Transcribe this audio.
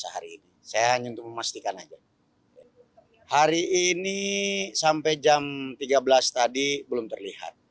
hari ini sampai jam tiga belas tadi belum terlihat